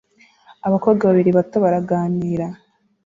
Abakobwa babiri bato baraganira